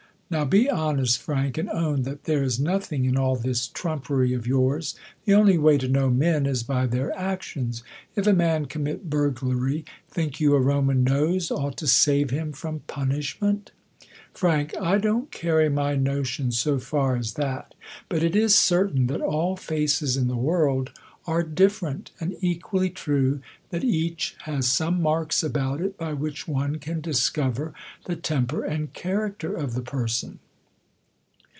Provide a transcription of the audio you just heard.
Now, be hone^, Frank, and own that there is dO THE COLUMBIAN ORATOR. I is nothing in all this trumpery of yours. The only way^ to know men is by their actions. If a man commit burglary, think you a Roman nose ought to save him from punishment ? Fr. I don't carry my notions so far as that; but! it is certain that all faces in the world are different ;j and equally true, that each has some marks about it,^ by which one can discover the temper and character of the person..